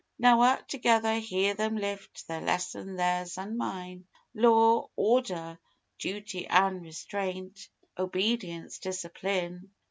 Now, a' together, hear them lift their lesson theirs an' mine: "Law, Orrder, Duty an' Restraint, Obedience, Discipline!"